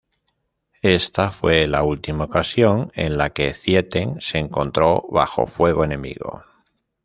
Esta fue la última ocasión en la que Zieten se encontró bajo fuego enemigo.